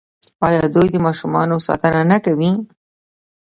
آیا دوی د ماشومانو ساتنه نه کوي؟